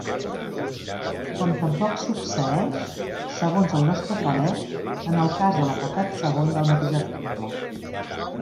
Com tampoc succeeix, segons el nostre parer, en el cas de l'apartat segon del mateix article.